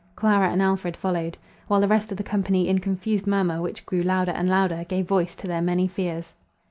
Clara and Alfred followed. While the rest of the company, in confused murmur, which grew louder and louder, gave voice to their many fears.